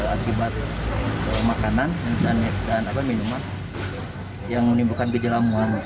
akibat makanan dan minuman yang menimbulkan kejelamuan